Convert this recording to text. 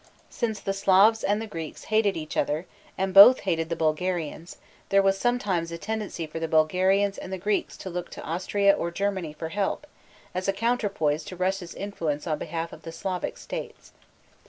Since the Slavs and the Greeks hated each other, and both hated the Bulgarians, there was sometimes a tendency for the Bulgarians and the Greeks to look to Austria or Germany for help, as a counterpoise to Russia's influence on behalf of the Slavic states.